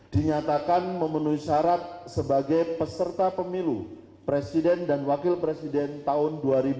dinyatakan memenuhi syarat sebagai peserta pemilu presiden dan wakil presiden tahun dua ribu dua puluh